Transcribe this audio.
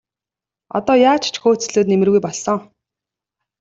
Одоо яаж ч хөөцөлдөөд нэмэргүй болсон.